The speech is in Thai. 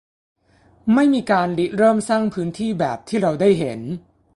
ไม่มีการริเริ่มสร้างพื้นที่แบบที่เราได้เห็น